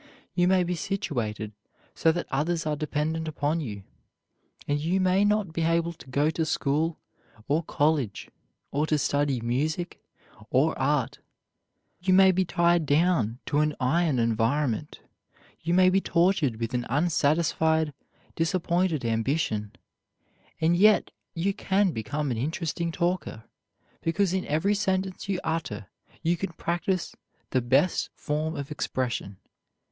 You may be situated so that others are dependent upon you, and you may not be able to go to school or college, or to study music or art, as you long to; you may be tied down to an iron environment; you may be tortured with an unsatisfied, disappointed ambition; and yet you can become an interesting talker, because in every sentence you utter you can practise the best form of expression.